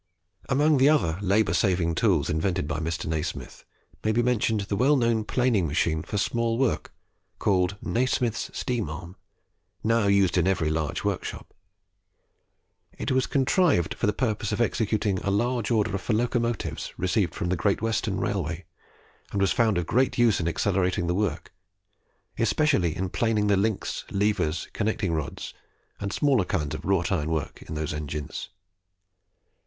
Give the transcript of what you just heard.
Among the other labour saving tools invented by Mr. Nasmyth, may be mentioned the well known planing machine for small work, called "Nasmyth's Steam Arm," now used in every large workshop. It was contrived for the purpose of executing a large order for locomotives received from the Great Western Railway, and was found of great use in accelerating the work, especially in planing the links, levers, connecting rods, and smaller kinds of wrought iron work in those engines.